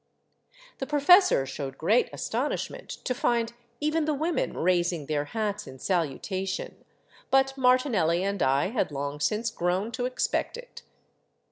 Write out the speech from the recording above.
The professor showed great astonishment to find even the women raising their hats in salutation, but Martinelli and I had long since grown to expect it.